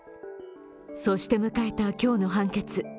そして迎えた今日の判決。